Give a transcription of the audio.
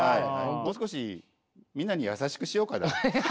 もう少しみんなに優しくしようかな。